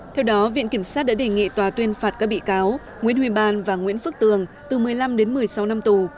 theo đó viện kiểm sát đã đề nghị tòa tuyên phạt các bị cáo nguyễn huy ban và nguyễn phước tường từ một mươi năm đến một mươi sáu năm tù